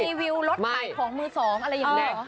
รีวิวรถตายของมือสองอะไรยังไงเหรอ